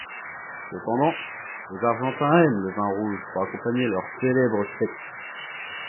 Cependant, les Argentins aiment le vin rouge pour accompagner leurs célèbres steaks.